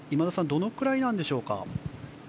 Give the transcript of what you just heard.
どのくらいでしょうか？